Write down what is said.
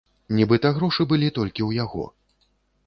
Нібыта грошы былі толькі ў яго.